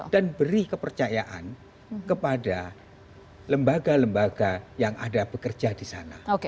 dan beri kepercayaan kepada lembaga lembaga yang ada bekerja di sana